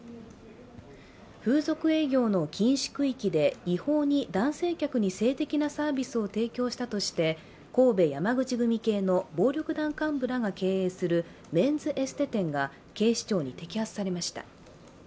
風俗営業の禁止区域で違法に男性客に性的なサービスを提供したとして神戸山口組系の暴力団幹部らが経営するメンズエステ店が警視庁に摘発されました。